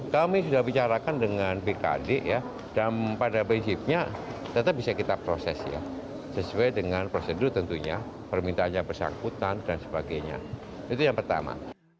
kami sudah bicarakan dengan bkd ya dan pada prinsipnya tetap bisa kita proses ya sesuai dengan prosedur tentunya permintaan yang bersangkutan dan sebagainya itu yang pertama